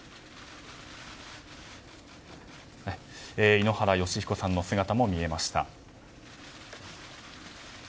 井ノ原快彦さんの姿も見えました。